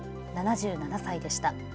７７歳でした。